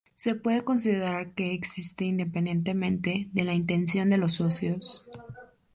Se puede considerar que existe independientemente de la intención de los socios.